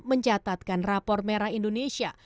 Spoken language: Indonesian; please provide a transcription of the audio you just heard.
mencatatkan rapor merah indonesia